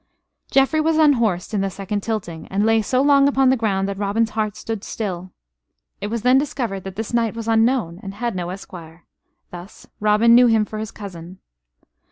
Geoffrey was unhorsed in the second tilting; and lay so long upon the ground that Robin's heart stood still. It was then discovered that this knight was unknown and had no esquire. Thus Robin knew him for his cousin.